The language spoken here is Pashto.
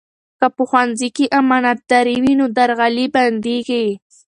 که په ښوونځي کې امانتداري وي، نو درغلي بندېږي.